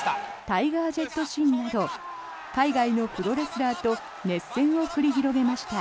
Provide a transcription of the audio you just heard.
タイガー・ジェット・シンなど海外のプロレスラーと熱戦を繰り広げました。